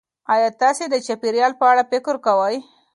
ایا تاسې د چاپیریال په اړه فکر کوئ؟